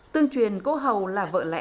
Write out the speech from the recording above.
tương truyền cô hầu là một nhà khảo cổ